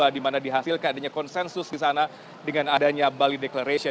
di mana dihasilkan adanya konsensus di sana dengan adanya bali declaration